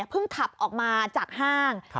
ขับออกมาจากห้าง